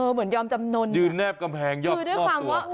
เหมือนยอมจำนนอยู่แนบกำแพงยอมมอบตัวคือด้วยความว่า